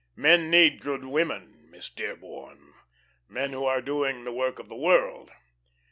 Men need good women, Miss Dearborn. Men who are doing the work of the world.